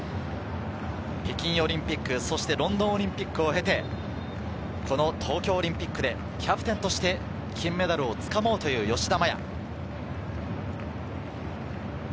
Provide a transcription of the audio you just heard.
北京オリンピックそしてロンドンオリンピックを経て、この東京オリンピックでキャプテンとして金メダルをつかもうという吉田麻也。